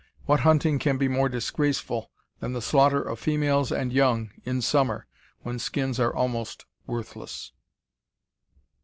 What hunting can be more disgraceful than the slaughter of females and young in summer, when skins are almost worthless.